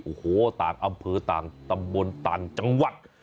โอ้โหต่างอำเภอต่างตำบลต่างจังหวัด